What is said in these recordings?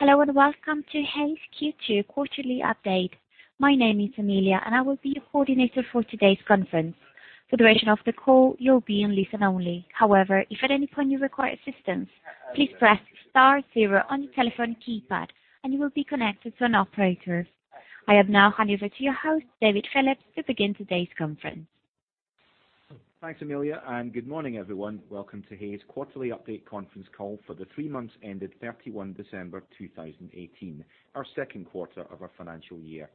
Hello, and welcome to Hays Q2 quarterly update. My name is Amelia, and I will be your coordinator for today's conference. For the duration of the call, you will be on listen only. However, if at any point you require assistance, please press star zero on your telephone keypad and you will be connected to an operator. I will now hand over to your host, David Phillips, to begin today's conference. Thanks, Amelia, and good morning, everyone. Welcome to Hays quarterly update conference call for the three months ended 31 December 2018, our second quarter of our financial year.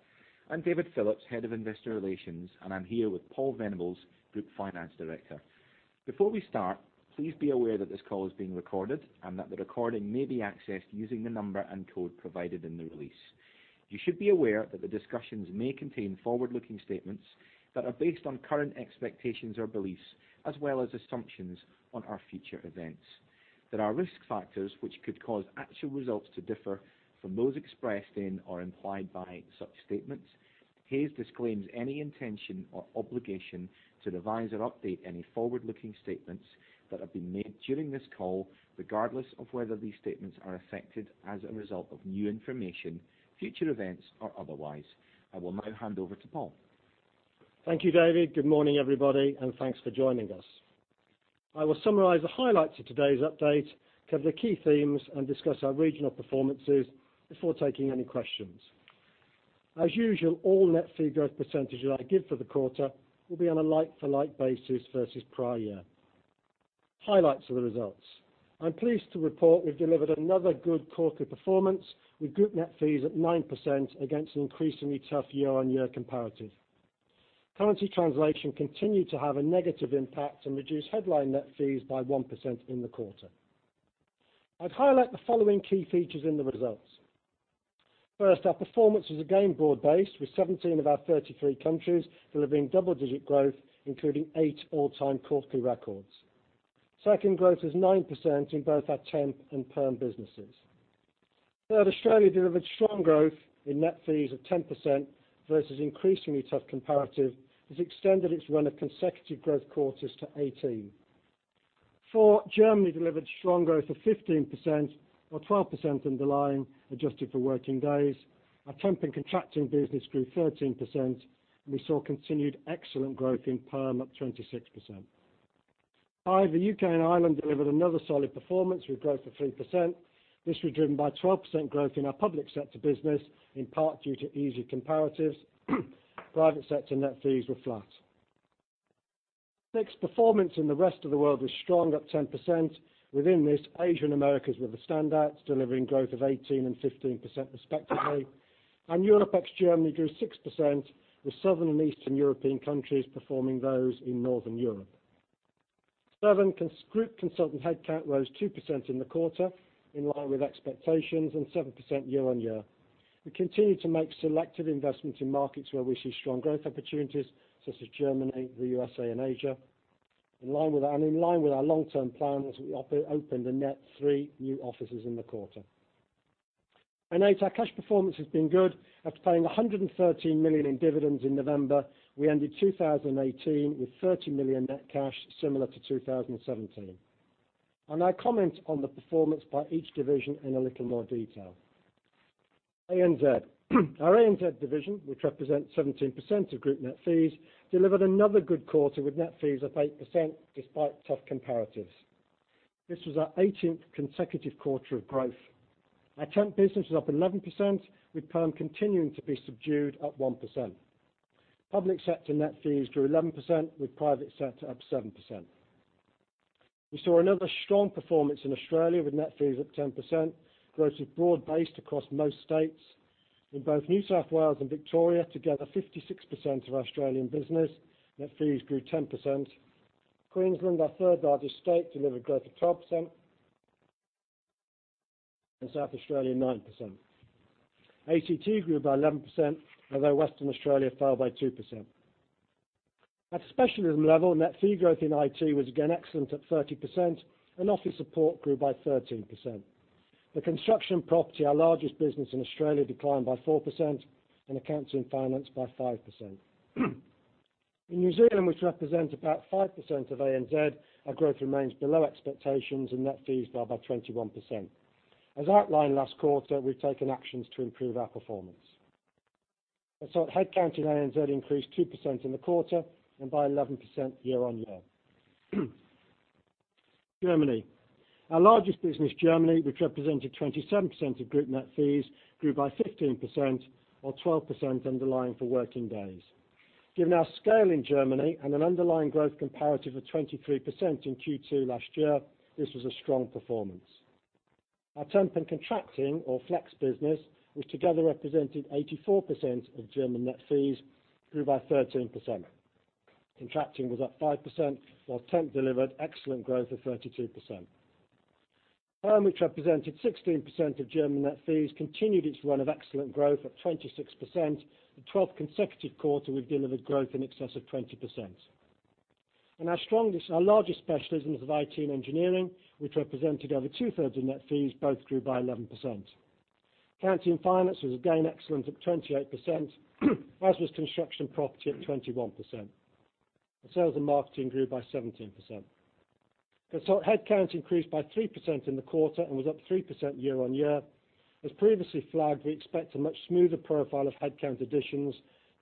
I am David Phillips, Head of Investor Relations, and I am here with Paul Venables, Group Finance Director. Before we start, please be aware that this call is being recorded and that the recording may be accessed using the number and code provided in the release. You should be aware that the discussions may contain forward-looking statements that are based on current expectations or beliefs, as well as assumptions on our future events. There are risk factors which could cause actual results to differ from those expressed in or implied by such statements. Hays disclaims any intention or obligation to revise or update any forward-looking statements that have been made during this call, regardless of whether these statements are affected as a result of new information, future events, or otherwise. I will now hand over to Paul. Thank you, David. Good morning, everybody, and thanks for joining us. I will summarize the highlights of today's update, cover the key themes, and discuss our regional performances before taking any questions. As usual, all net fee growth % I give for the quarter will be on a like-for-like basis versus prior year. Highlights of the results. I am pleased to report we have delivered another good quarter performance with group net fees at 9% against an increasingly tough year-on-year comparative. Currency translation continued to have a negative impact and reduced headline net fees by 1% in the quarter. I would highlight the following key features in the results. First, our performance is again broad-based, with 17 of our 33 countries delivering double-digit growth, including eight all-time quarterly records. Second, growth is 9% in both our temp and perm businesses. Third, Australia delivered strong growth in net fees of 10% versus increasingly tough comparative, has extended its run of consecutive growth quarters to 18. Four, Germany delivered strong growth of 15%, or 12% underlying, adjusted for working days. Our temp and contracting business grew 13%, and we saw continued excellent growth in perm at 26%. Five, the U.K. and Ireland delivered another solid performance with growth of 3%. This was driven by 12% growth in our public sector business, in part due to easier comparatives. Private sector net fees were flat. Six, performance in the rest of the world was strong at 10%. Within this, Asia and Americas were the standouts, delivering growth of 18 and 15% respectively. Europe ex Germany grew 6%, with Southern and Eastern European countries performing those in Northern Europe. Seven, group consultant headcount rose 2% in the quarter, in line with expectations, and 7% year-on-year. We continue to make selective investments in markets where we see strong growth opportunities such as Germany, the USA, and Asia. In line with our long-term plan as we opened a net three new offices in the quarter. Eight, our cash performance has been good. After paying 113 million in dividends in November, we ended 2018 with 30 million net cash, similar to 2017. I'll now comment on the performance by each division in a little more detail. ANZ. Our ANZ division, which represents 17% of group net fees, delivered another good quarter with net fees up 8%, despite tough comparatives. This was our 18th consecutive quarter of growth. Our temp business was up 11%, with perm continuing to be subdued at 1%. Public sector net fees grew 11%, with private sector up 7%. We saw another strong performance in Australia with net fees up 10%. Growth is broad based across most states. In both New South Wales and Victoria, together 56% of Australian business net fees grew 10%. Queensland, our third-largest state, delivered growth of 12%, and South Australia 9%. ACT grew by 11%, although Western Australia fell by 2%. At a specialism level, net fee growth in IT was again excellent at 30%, and Office Support grew by 13%. Construction & Property, our largest business in Australia, declined by 4%, and Accountancy and Finance by 5%. In New Zealand, which represents about 5% of ANZ, our growth remains below expectations and net fees fell by 21%. As outlined last quarter, we've taken actions to improve our performance. Headcount in ANZ increased 2% in the quarter and by 11% year-on-year. Germany. Our largest business, Germany, which represented 27% of group net fees, grew by 15%, or 12% underlying for working days. Given our scale in Germany and an underlying growth comparative of 23% in Q2 last year, this was a strong performance. Our temp and contracting or flex business, which together represented 84% of German net fees, grew by 13%. Contracting was up 5%, while temp delivered excellent growth of 32%. Perm, which represented 16% of German net fees, continued its run of excellent growth at 26%, the 12th consecutive quarter we've delivered growth in excess of 20%. Our largest specialisms of IT and engineering, which represented over two-thirds of net fees, both grew by 11%. Accountancy and Finance was again excellent at 28%, as was Construction & Property at 21%. Sales and Marketing grew by 17%. Consultant headcount increased by 3% in the quarter and was up 3% year-on-year. As previously flagged, we expect a much smoother profile of headcount additions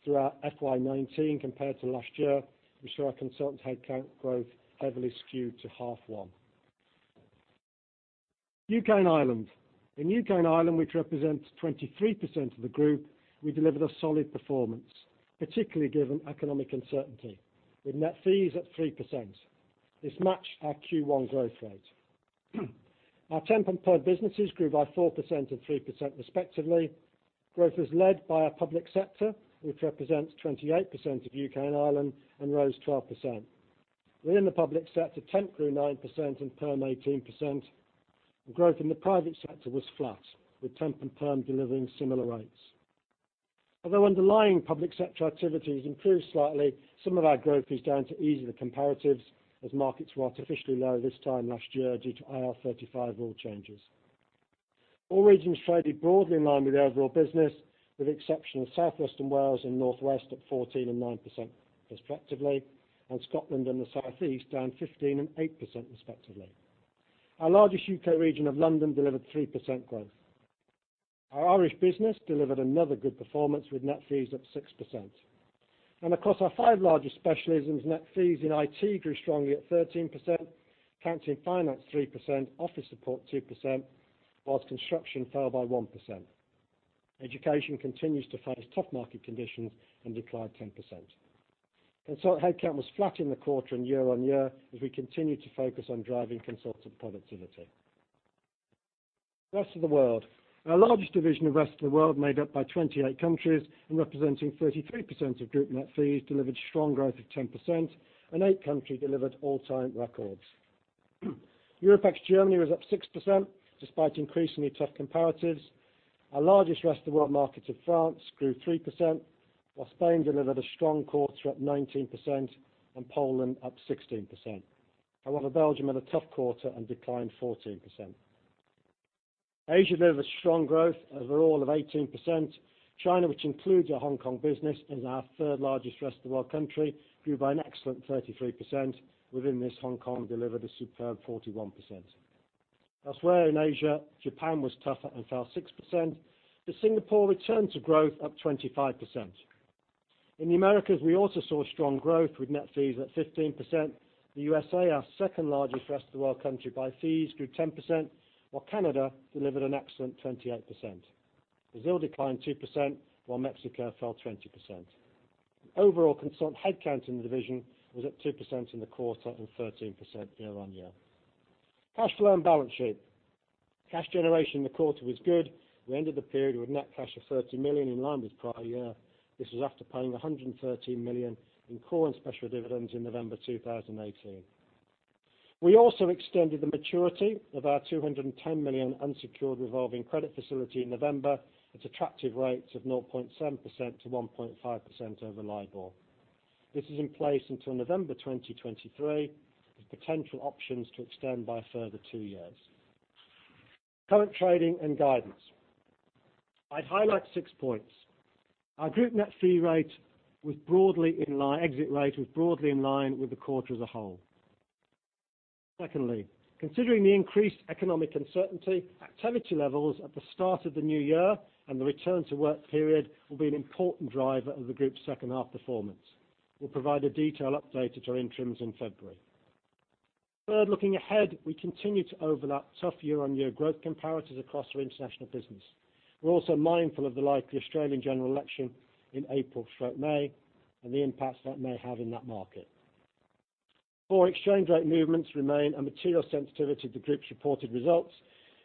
throughout FY 2019 compared to last year, which saw our consultant headcount growth heavily skewed to half one. U.K. and Ireland. In U.K. and Ireland, which represents 23% of the group, we delivered a solid performance, particularly given economic uncertainty, with net fees at 3%. This matched our Q1 growth rate. Our temp and perm businesses grew by 4% and 3% respectively. Growth was led by our public sector, which represents 28% of U.K. and Ireland, and rose 12%. Within the public sector, temp grew 9% and perm 18%, and growth in the private sector was flat, with temp and perm delivering similar rates. Although underlying public sector activity has improved slightly, some of our growth is down to easier comparatives as markets were artificially low this time last year due to IR35 rule changes. All regions traded broadly in line with the overall business, with the exception of South West and Wales and North West up 14% and 9% respectively, and Scotland and the Southeast down 15% and 8% respectively. Our largest U.K. region of London delivered 3% growth. Our Irish business delivered another good performance, with net fees up 6%. Across our five largest specialisms, net fees in IT grew strongly at 13%, Accountancy and Finance 3%, Office Support 2%, whilst Construction fell by 1%. Education continues to face tough market conditions and declined 10%. Consultant headcount was flat in the quarter and year-on-year as we continue to focus on driving consultant productivity. rest of the world. Our largest division of rest of the world, made up by 28 countries and representing 33% of group net fees, delivered strong growth of 10%, and eight countries delivered all-time records. Europe ex-Germany was up 6%, despite increasingly tough comparatives. Our largest rest-of-the-world market of France grew 3%, while Spain delivered a strong quarter at 19% and Poland up 16%. However, Belgium had a tough quarter and declined 14%. Asia delivered strong growth overall of 18%. China, which includes our Hong Kong business and is our third-largest rest-of-the-world country, grew by an excellent 33%. Within this, Hong Kong delivered a superb 41%. Elsewhere in Asia, Japan was tougher and fell 6%, but Singapore returned to growth, up 25%. In the Americas, we also saw strong growth, with net fees at 15%. The USA, our second-largest rest-of-the-world country by fees, grew 10%, while Canada delivered an excellent 28%. Brazil declined 2%, while Mexico fell 20%. Overall consultant headcount in the division was up 2% in the quarter and 13% year-on-year. Cash flow and balance sheet. Cash generation in the quarter was good. We ended the period with net cash of 30 million, in line with prior year. This was after paying 113 million in core and special dividends in November 2018. We also extended the maturity of our 210 million unsecured revolving credit facility in November at attractive rates of 0.7%-1.5% over LIBOR. This is in place until November 2023, with potential options to extend by a further two years. Current trading and guidance. I'd highlight six points. Our group net fee exit rate was broadly in line with the quarter as a whole. Considering the increased economic uncertainty, activity levels at the start of the new year and the return-to-work period will be an important driver of the group's second half performance. We'll provide a detailed update at our interims in February. Looking ahead, we continue to overlap tough year-on-year growth comparatives across our international business. We are also mindful of the likely Australian general election in April/May and the impacts that may have in that market. Four, exchange rate movements remain a material sensitivity to the group's reported results.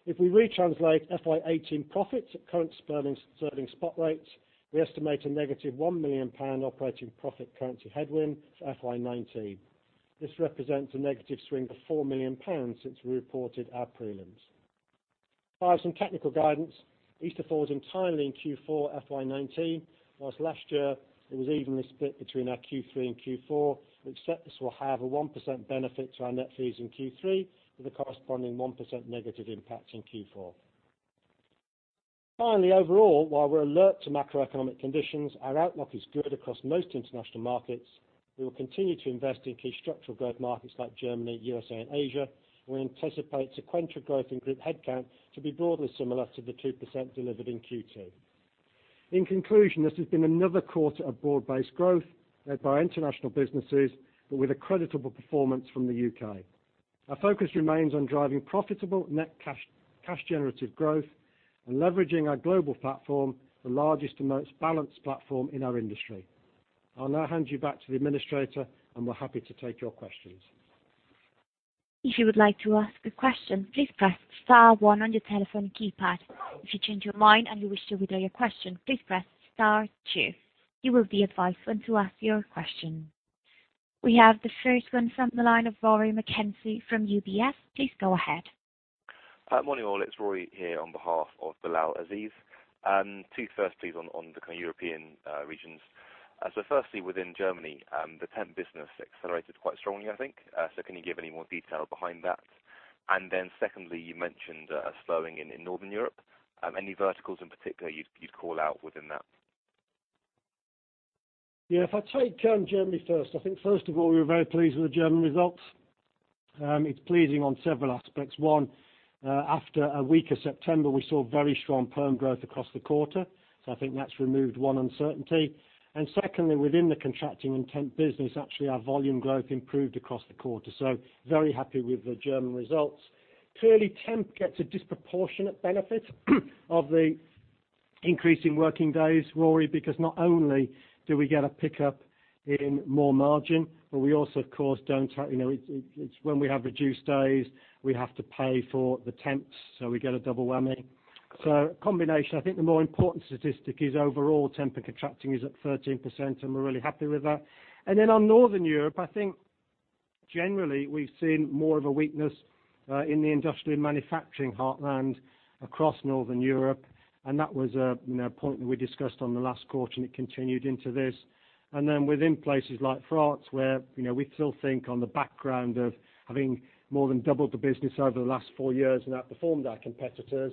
If we retranslate FY 2018 profits at current sterling spot rates, we estimate a negative 1 million pound operating profit currency headwind for FY 2019. This represents a negative swing of 4 million pounds since we reported our prelims. Via some technical guidance, Easter falls entirely in Q4 FY 2019, whilst last year it was evenly split between our Q3 and Q4. We expect this will have a 1% benefit to our net fees in Q3, with a corresponding 1% negative impact in Q4. Finally, overall, while we are alert to macroeconomic conditions, our outlook is good across most international markets. We will continue to invest in key structural growth markets like Germany, USA, and Asia. We anticipate sequential growth in group headcount to be broadly similar to the 2% delivered in Q2. In conclusion, this has been another quarter of broad-based growth led by international businesses, but with a creditable performance from the U.K. Our focus remains on driving profitable net cash generative growth and leveraging our global platform, the largest and most balanced platform in our industry. I will now hand you back to the administrator, and we are happy to take your questions. If you would like to ask a question, please press star one on your telephone keypad. If you change your mind and you wish to withdraw your question, please press star two. You will be advised when to ask your question. We have the first one from the line of Rory McKenzie from UBS. Please go ahead. Morning all. It is Rory here on behalf of Bilal Aziz. Two first, please, on the European regions. Firstly, within Germany, the temp business accelerated quite strongly, I think. So can you give any more detail behind that? Secondly, you mentioned a slowing in Northern Europe. Any verticals in particular you would call out within that? Yeah. If I take Germany first, I think first of all, we were very pleased with the German results. It's pleasing on several aspects. One, after a weaker September, we saw very strong perm growth across the quarter. I think that's removed one uncertainty. Secondly, within the contracting and temp business, actually, our volume growth improved across the quarter. Very happy with the German results. Clearly, temp gets a disproportionate benefit of the increasing working days, Rory, because not only do we get a pickup in more margin, but we also, of course, when we have reduced days, we have to pay for the temps, so we get a double whammy. Combination, I think the more important statistic is overall temp and contracting is up 13%, and we're really happy with that. On Northern Europe, I think generally we've seen more of a weakness in the industrial manufacturing heartland across Northern Europe, and that was a point that we discussed on the last quarter, and it continued into this. Within places like France, where we still think on the background of having more than doubled the business over the last four years and outperformed our competitors,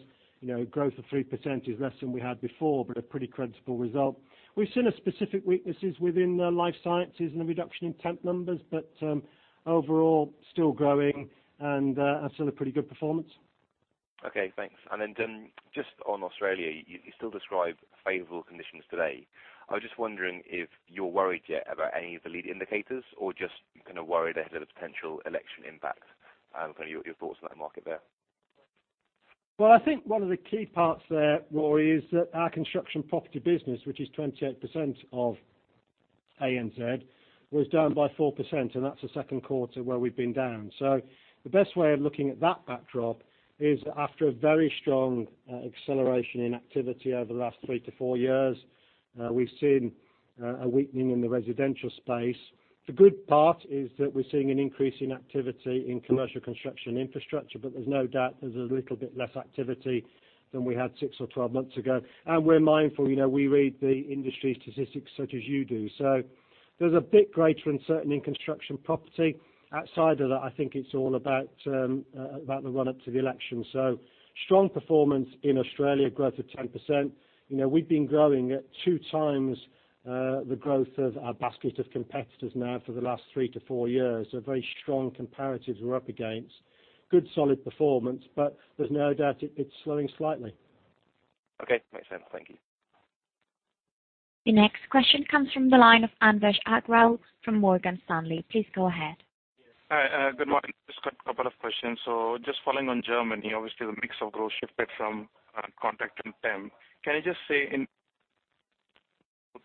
growth of 3% is less than we had before, but a pretty credible result. We've seen a specific weaknesses within the Life Sciences and a reduction in temp numbers, but overall, still growing and still a pretty good performance. Okay, thanks. Just on Australia, you still describe favorable conditions today. I was just wondering if you're worried yet about any of the lead indicators or just kind of worried ahead of the potential election impact, kind of your thoughts on that market there. I think one of the key parts there, Rory, is that our Construction & Property business, which is 28% of ANZ, was down by 4%, and that's the second quarter where we've been down. The best way of looking at that backdrop is after a very strong acceleration in activity over the last three to four years, we've seen a weakening in the residential space. The good part is that we're seeing an increase in activity in commercial construction infrastructure, but there's no doubt there's a little bit less activity than we had six or twelve months ago. We're mindful, we read the industry statistics such as you do. There's a bit greater uncertainty in Construction & Property. Outside of that, I think it's all about the run-up to the election. Strong performance in Australia, growth of 10%. We've been growing at two times the growth of our basket of competitors now for the last three to four years. A very strong comparatives we're up against. Good, solid performance, but there's no doubt it's slowing slightly. Okay. Makes sense. Thank you. The next question comes from the line of Anvesh Agrawal from Morgan Stanley. Please go ahead. Hi, good morning. Just got a couple of questions. Just following on Germany, obviously the mix of growth shifted from contract and temp. Can you just say in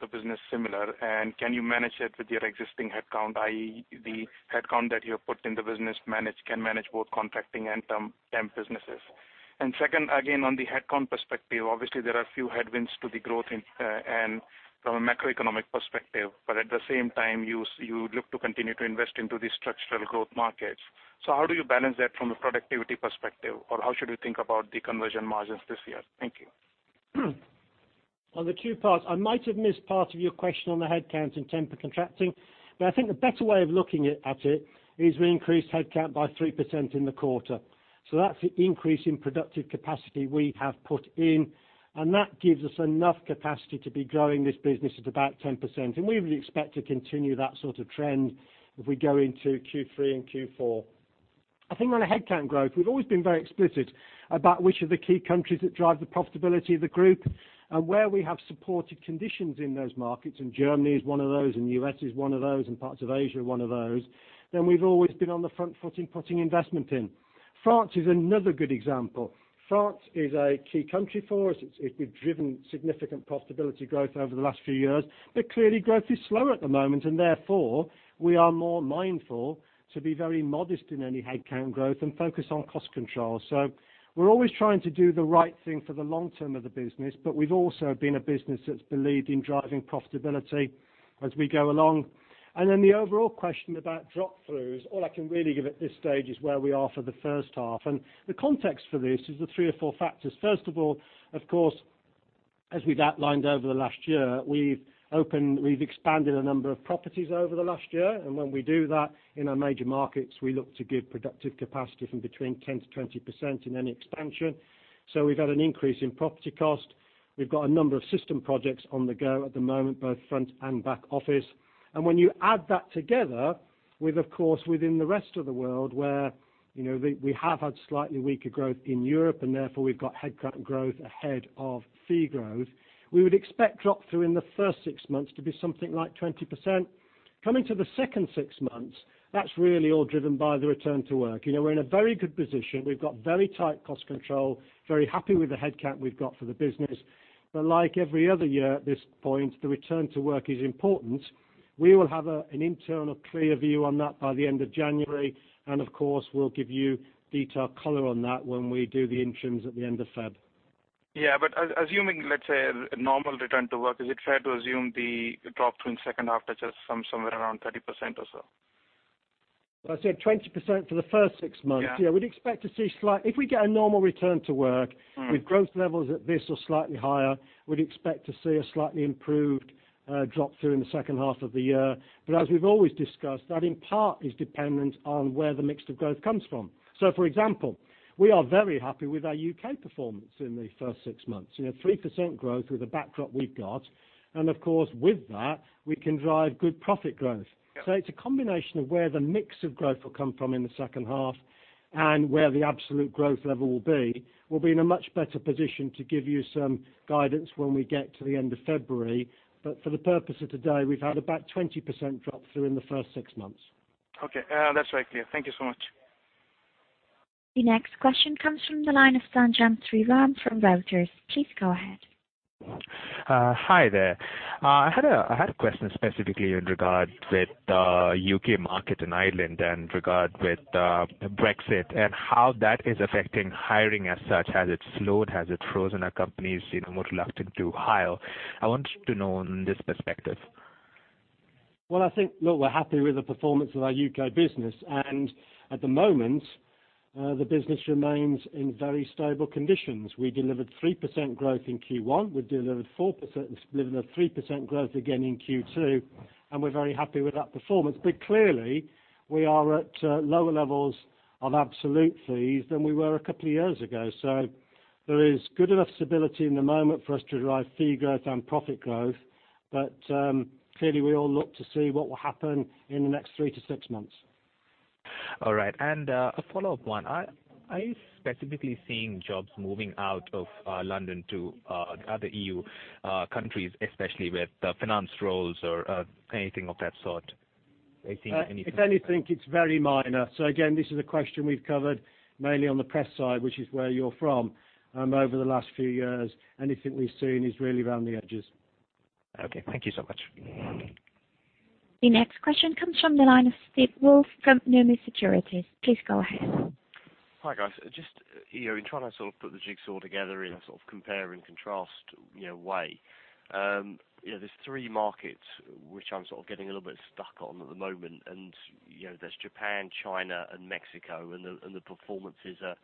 the business similar and can you manage it with your existing headcount, i.e., the headcount that you have put in the business can manage both contracting and temp businesses? Second, again, on the headcount perspective, obviously there are a few headwinds to the growth from a macroeconomic perspective. At the same time, you look to continue to invest into these structural growth markets. How do you balance that from a productivity perspective? How should we think about the conversion margins this year? Thank you. The two parts, I might have missed part of your question on the headcount and temp and contracting, but I think the better way of looking at it is we increased headcount by 3% in the quarter. That's the increase in productive capacity we have put in, and that gives us enough capacity to be growing this business at about 10%. We would expect to continue that sort of trend if we go into Q3 and Q4. I think on a headcount growth, we've always been very explicit about which of the key countries that drive the profitability of the group and where we have supported conditions in those markets. Germany is one of those, and the U.S. is one of those, and parts of Asia are one of those, then we've always been on the front foot in putting investment in. France is another good example. France is a key country for us. It's driven significant profitability growth over the last few years, but clearly growth is slower at the moment and therefore, we are more mindful to be very modest in any headcount growth and focus on cost control. We're always trying to do the right thing for the long term of the business, but we've also been a business that's believed in driving profitability as we go along. The overall question about drop-throughs, all I can really give at this stage is where we are for the first half. The context for this is the three or four factors. First of all, of course, as we've outlined over the last year, we've expanded a number of properties over the last year. When we do that in our major markets, we look to give productive capacity from between 10%-20% in any expansion. We've had an increase in property cost. We've got a number of system projects on the go at the moment, both front and back office. When you add that together with, of course, within the rest of the world where we have had slightly weaker growth in Europe, and therefore we've got headcount growth ahead of fee growth, we would expect drop-through in the first six months to be something like 20%. Coming to the second six months, that's really all driven by the return to work. We're in a very good position. We've got very tight cost control. Very happy with the headcount we've got for the business. Like every other year at this point, the return to work is important. We will have an internal clear view on that by the end of January, and of course, we'll give you detailed color on that when we do the interims at the end of February. Yeah, assuming, let's say, a normal return to work, is it fair to assume the drop-through in second half touches somewhere around 30% or so? I said 20% for the first six months. Yeah. Yeah. If we get a normal return to work. With growth levels at this or slightly higher, we'd expect to see a slightly improved drop-through in the second half of the year. As we've always discussed, that in part is dependent on where the mix of growth comes from. For example, we are very happy with our U.K. performance in the first six months. 3% growth with the backdrop we've got. Of course, with that, we can drive good profit growth. Yeah. It's a combination of where the mix of growth will come from in the second half and where the absolute growth level will be. We'll be in a much better position to give you some guidance when we get to the end of February, but for the purpose of today, we've had about 20% drop-through in the first six months. Okay. That's very clear. Thank you so much. The next question comes from the line of Sanjam Sriram from Reuters. Please go ahead. Hi there. I had a question specifically in regard with the U.K. market and Ireland, and regard with Brexit and how that is affecting hiring as such. Has it slowed? Has it frozen, are companies more reluctant to hire? I wanted to know on this perspective. I think, look, we're happy with the performance of our U.K. business, and at the moment, the business remains in very stable conditions. We delivered 3% growth in Q1. We delivered 4%, a 3% growth again in Q2, and we're very happy with that performance. Clearly, we are at lower levels of absolute fees than we were a couple of years ago. There is good enough stability in the moment for us to drive fee growth and profit growth. Clearly, we all look to see what will happen in the next three to six months. All right. A follow-up one. Are you specifically seeing jobs moving out of London to other EU countries, especially with the finance roles or anything of that sort? Are you seeing anything? If anything, it's very minor. Again, this is a question we've covered mainly on the press side, which is where you're from, over the last few years. Anything we've seen is really around the edges. Okay, thank you so much. The next question comes from the line of Steve Woolf from Numis Securities. Please go ahead. Hi, guys. Just in trying to sort of put the jigsaw together in a sort of compare and contrast way. There's three markets which I'm sort of getting a little bit stuck on at the moment, and there's Japan, China and Mexico, and the performances are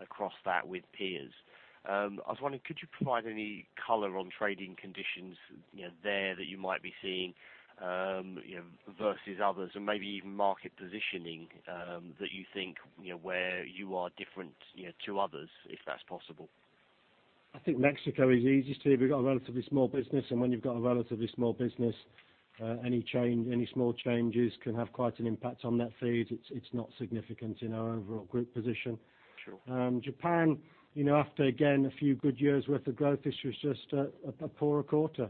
across that with peers. I was wondering, could you provide any color on trading conditions there that you might be seeing versus others? Maybe even market positioning, that you think where you are different to others, if that's possible. I think Mexico is easiest here. We've got a relatively small business. When you've got a relatively small business, any small changes can have quite an impact on that fee. It's not significant in our overall group position. Sure. Japan, after again, a few good years worth of growth, this was just a poorer quarter.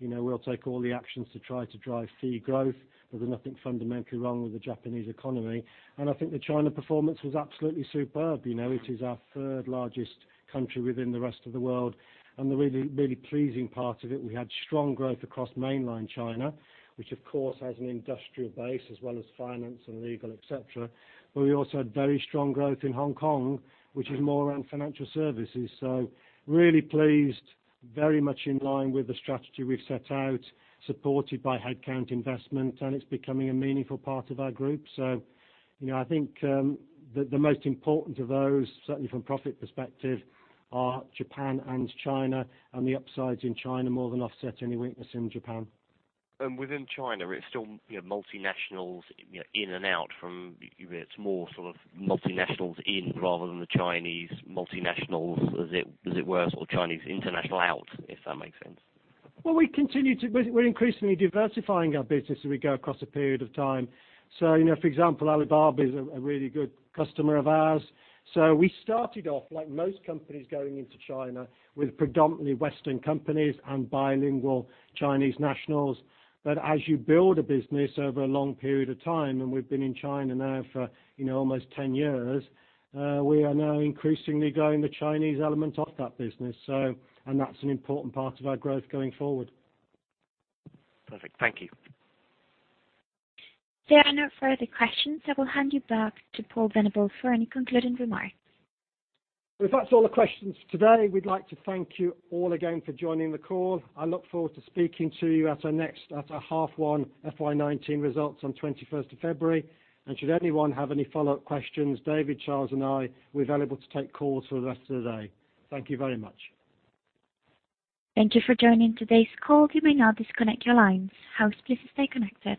We'll take all the actions to try to drive fee growth, but there's nothing fundamentally wrong with the Japanese economy. I think the China performance was absolutely superb. It is our third largest country within the rest of the world. The really pleasing part of it, we had strong growth across mainland China, which of course has an industrial base as well as finance and legal, et cetera. We also had very strong growth in Hong Kong, which is more around financial services. We are really pleased, very much in line with the strategy we've set out, supported by headcount investment. It's becoming a meaningful part of our group. I think, the most important of those, certainly from profit perspective, are Japan and China, and the upsides in China more than offset any weakness in Japan. Within China, it's still multinationals. It's more sort of multinationals in rather than the Chinese multinationals, as it were, or Chinese international out, if that makes sense. We're increasingly diversifying our business as we go across a period of time. For example, Alibaba is a really good customer of ours. We started off, like most companies going into China, with predominantly Western companies and bilingual Chinese nationals. As you build a business over a long period of time, and we've been in China now for almost 10 years, we are now increasingly growing the Chinese element of that business. That's an important part of our growth going forward. Perfect. Thank you. There are no further questions. I will hand you back to Paul Venables for any concluding remarks. If that's all the questions today, we'd like to thank you all again for joining the call. I look forward to speaking to you at our half one FY19 results on 21st of February. Should anyone have any follow-up questions, David, Charles and I, we're available to take calls for the rest of the day. Thank you very much. Thank you for joining today's call. You may now disconnect your lines. Housekeepers stay connected.